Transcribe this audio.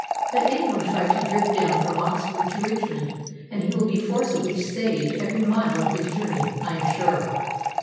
Let anyone try to drift down from Oxford to Richmond, and he will be forcibly saved every mile of his journey, I am sure.